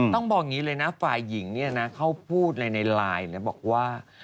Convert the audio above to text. ต้องบอกงี้เลยนะฝ่ายิงเนี่ยนะเขาพูดในไลน์บอกว่า